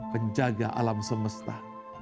penjaga alam semesta